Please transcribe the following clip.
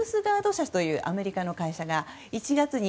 社というアメリカの会社が１月に